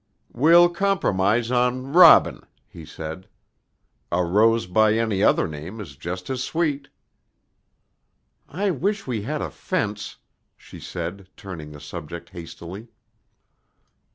"We'll compromise on Robin," he said. "A rose by any other name is just as sweet." "I wish we had a fence," she said turning the subject hastily.